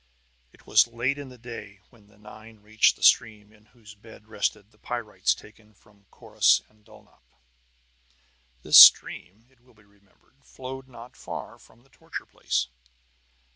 It was late in the day when the nine reached the stream in whose bed rested the pyrites taken from Corrus and Dulnop. This stream, it will be remembered, flowed not far from the torture place.